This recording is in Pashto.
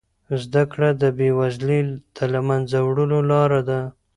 زده کړه د بې وزلۍ د له منځه وړلو لاره ده.